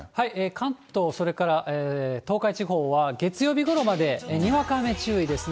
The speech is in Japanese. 関東、それから東海地方は月曜日ごろまでにわか雨注意ですね。